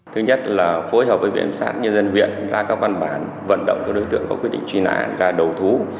thứ nhất là phối hợp với biện sản nhân dân huyện ra các văn bản vận động cho đối tượng có quyết định truy nã ra đầu thú